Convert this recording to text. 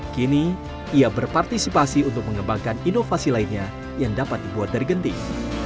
kini ia berpartisipasi untuk mengembangkan inovasi lainnya yang dapat dibuat dari genting